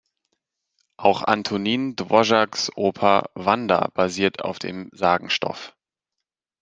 Auch Antonín Dvořáks Oper "Wanda" basiert auf dem Sagenstoff.